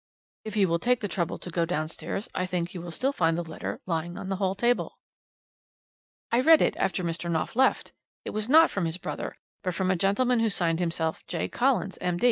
"'If you will take the trouble to go downstairs I think you will still find the letter lying on the hall table. "'I read it after Mr. Knopf left; it was not from his brother, but from a gentleman who signed himself J. Collins, M.